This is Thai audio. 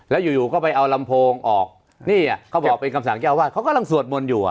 แล้วอยู่อยู่ก็ไปเอาลำโพงออกนี่อ่ะเขาบอกเป็นคำสั่งเจ้าวาดเขากำลังสวดมนต์อยู่อ่ะ